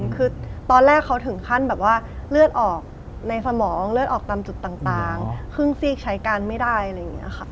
คือตอนแรกเขาถึงขั้นแบบว่าเลือดออกในสมองเลือดออกตามจุดต่างครึ่งซีกใช้การไม่ได้อะไรอย่างนี้ค่ะ